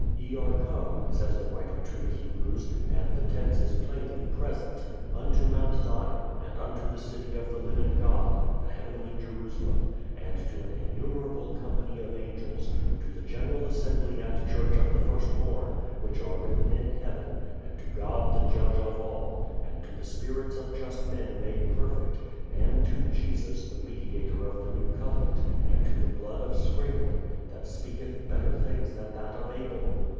"Ye are come," says the writer to the Hebrews (and the tense is plainly present), "unto Mount Zion, and unto the city of the living God, the heavenly Jerusalem, and to an innumerable company of angels, to the general assembly and church of the firstborn, which are written in heaven, and to God the Judge of all, and to the spirits of just men made perfect, and to Jesus the mediator of the new covenant, and to the blood of sprinkling, that speaketh better things than that of Abel."